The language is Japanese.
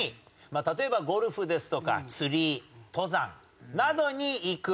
例えばゴルフですとか釣り登山などに行く。